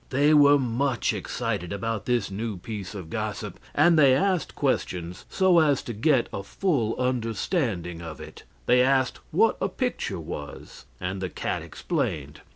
They were much excited about this new piece of gossip, and they asked questions, so as to get at a full understanding of it. They asked what a picture was, and the cat explained.